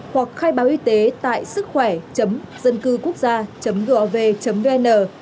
hoặc khai báo y tế tại sứckhoẻ dâncưquốc gia gov vn